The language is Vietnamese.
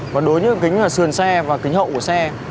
và đối với kính là sườn xe và kính hậu của xe